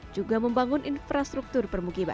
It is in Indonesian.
juga membangun infrastruktur